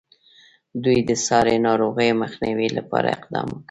دوی د ساري ناروغیو مخنیوي لپاره اقدام وکړ.